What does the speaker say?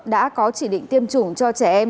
đã có chỉ định tiêm chủng cho trẻ em